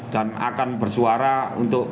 dan akan bersuara untuk